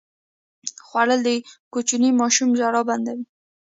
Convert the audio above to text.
خوړل د کوچني ماشوم ژړا بنده وي